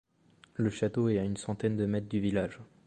Le château est à une centaine de mètres du village.